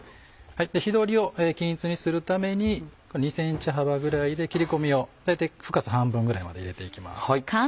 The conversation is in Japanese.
火通りを均一にするために２ｃｍ幅ぐらいで切り込みを大体深さ半分ぐらいまで入れていきます。